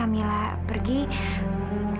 ambilan sudah bimbing